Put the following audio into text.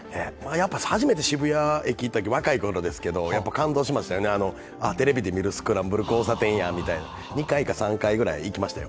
やっぱ初めて渋谷駅に行ったとき、若い頃ですが、感動しましたね、テレビで見るスクランブル交差点みたいやと２回か３回くらい、行きましたよ。